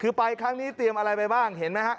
คือไปครั้งนี้เตรียมอะไรไปบ้างเห็นไหมฮะ